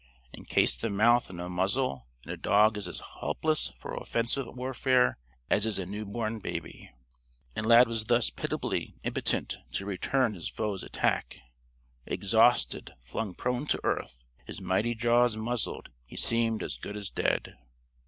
Encase the mouth in a muzzle and a dog is as helpless for offensive warfare as is a newborn baby. And Lad was thus pitiably impotent to return his foe's attack. Exhausted, flung prone to earth, his mighty jaws muzzled, he seemed as good as dead.